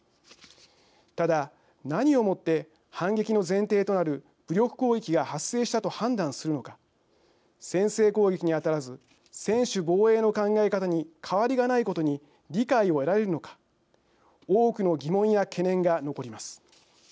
ただ、何をもって反撃の前提となる武力攻撃が発生したと判断するのか先制攻撃に当たらず専守防衛の考え方に変わりがないことに理解を得られるのか多くの疑問や懸念が残ります。